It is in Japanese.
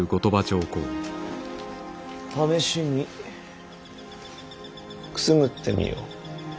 試しにくすぐってみよ。